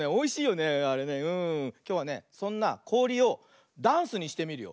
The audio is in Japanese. きょうはねそんなこおりをダンスにしてみるよ。